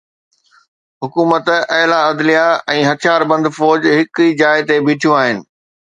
حڪومت، اعليٰ عدليه ۽ هٿياربند فوج هڪ ئي جاءِ تي بيٺيون آهن.